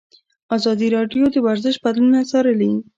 ازادي راډیو د ورزش بدلونونه څارلي.